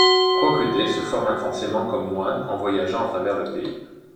Rokudai se forme intensément comme moine en voyageant à travers le pays.